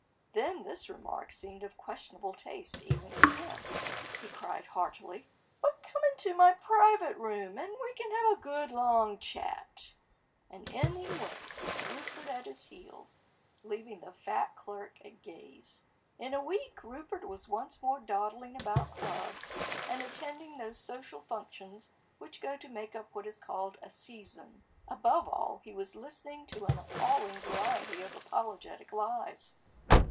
Then this remark seeming of questionable taste even to him, he cried heartily ; "But come into my private room, and we can have a good long chat!' THE BARGAIN OF RUPERT ORANGE. 20. And in he went, with Rupert at his heels, leaving the fat clerk at gaze. In a week Rupert was once more dawdling about clubs, and attending those social functions which go to make up what is called "a Season." Above all, he was listening to an appalling variety of apologetic lies.